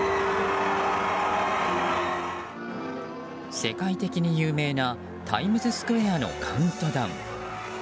世界的に有名なタイムズスクエアのカウントダウン。